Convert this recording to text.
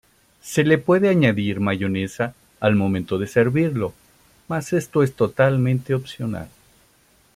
Se le puede añadir mayonesa al momento de servirlo, mas esto es totalmente opcional.